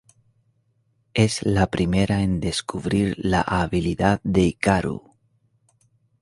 Es la primera en descubrir la habilidad de Hikaru.